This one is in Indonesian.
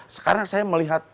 sekarang saya melihat